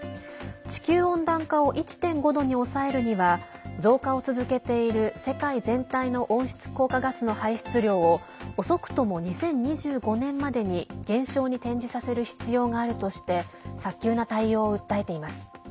地球温暖化を１．５度に抑えるには増加を続けている世界全体の温室効果ガスの排出量を遅くとも２０２５年までに減少に転じさせる必要があるとして早急な対応を訴えています。